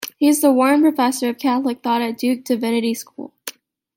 He is the Warren Professor of Catholic Thought at Duke Divinity School.